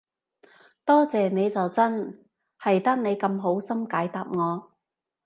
多謝你就真，係得你咁好心解答我